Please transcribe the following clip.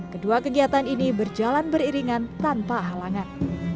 kedua kegiatan ini berjalan beriringan tanpa halangan